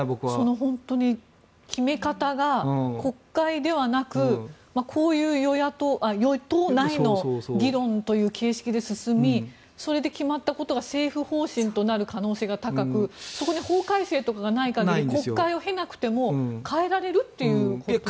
本当に決め方が国会ではなくこういう与党内の議論という形式で進みそれで決まったことが政府方針となる可能性が高くそこに法改正とかがない限り国会を経なくても変えられるということなんですかね。